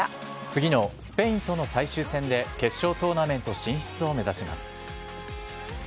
次のスペインとの最終戦で、決勝トーナメント進出を目指します。